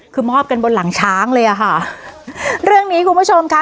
คือมอบกันบนหลังช้างเลยอ่ะค่ะเรื่องนี้คุณผู้ชมค่ะ